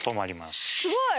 すごい。